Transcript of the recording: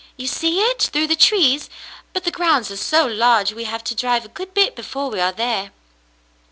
You see it through the trees, but the grounds are so large we have to drive a good bit before we are there."